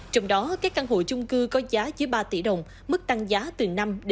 trong đó các căn hộ chung cư có giá dưới ba tỷ đồng mức tăng giá từ năm một mươi